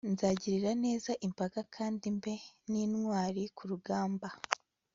nzagirira neza imbaga kandi mbe n'intwari ku rugamba